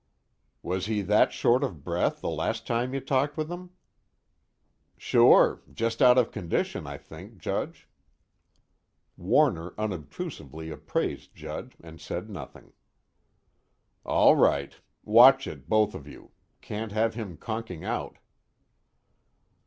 "Was he that short of breath the last time you talked with him?" "Sure. Just out of condition, I think, Judge." Warner unobtrusively appraised Judd, and said nothing. "All right. Watch it, both of you. Can't have him conking out."